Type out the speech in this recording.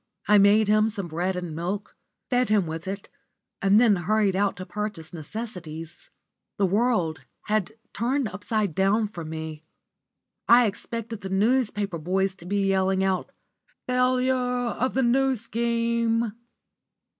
I made him some bread and milk, fed him with it, and then hurried out to purchase necessaries. The world, had turned upside down for me. I expected the newspaper boys to be yelling out "Failure of the New Scheme!"